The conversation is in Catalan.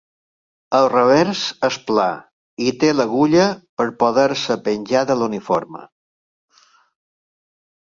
El revers és pla, i té l'agulla per poder-se penjar de l'uniforme.